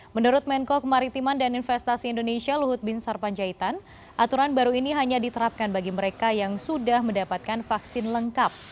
menurut menko kemaritiman dan investasi indonesia luhut bin sarpanjaitan aturan baru ini hanya diterapkan bagi mereka yang sudah mendapatkan vaksin lengkap